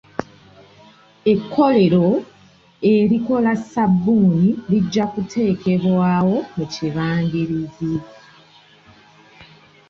Ekkolero erikola sabbuuni lijja kuteekebwawo mu kibangirizi.